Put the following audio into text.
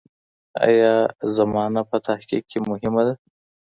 ایا زمانه په تحقیق کې مهمه ده؟